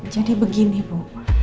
jadi begini bu